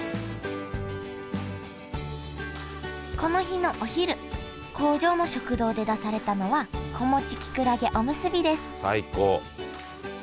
この日のお昼工場の食堂で出されたのは「子持ちきくらげおむすび」です最高。